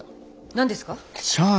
何ですか？